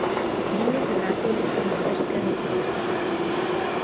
V zimě se vrátil do svého mateřského celku.